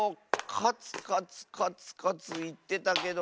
カツカツカツカツいってたけど。